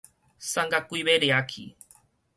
散甲鬼欲掠去